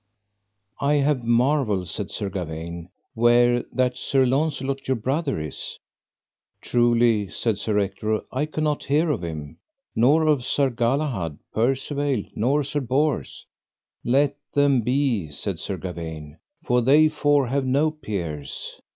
I have marvel, said Sir Gawaine, where that Sir Launcelot, your brother, is. Truly, said Sir Ector, I cannot hear of him, nor of Sir Galahad, Percivale, nor Sir Bors. Let them be, said Sir Gawaine, for they four have no peers.